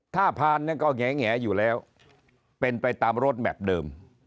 ถ้าผ่านก็แงอยู่แล้วเป็นไปตามรถแมพเดิม